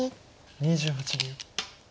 ２８秒。